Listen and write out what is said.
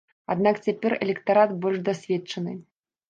Аднак цяпер электарат больш дасведчаны.